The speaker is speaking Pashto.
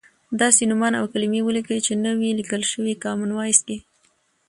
داسې نومان او کلیمې ولیکئ چې نه وې لیکل شوی کامن وایس کې.